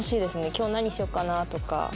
今日何しようかな？とか。